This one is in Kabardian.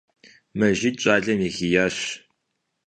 Мэжид щӀалэм егиящ.